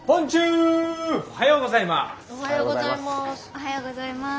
おはようございます。